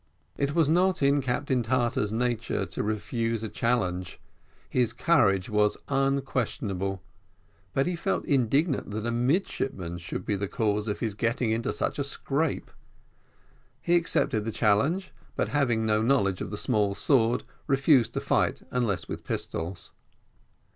It was not in Captain Tartar's nature to refuse a challenge; his courage was unquestionable, but he felt indignant that a midshipman should be the cause of his getting into such a scrape. He accepted the challenge, but having no knowledge of the small sword, refused to fight unless with pistols.